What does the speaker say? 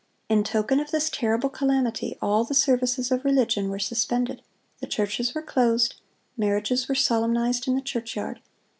In token of this terrible calamity, all the services of religion were suspended. The churches were closed. Marriages were solemnized in the churchyard.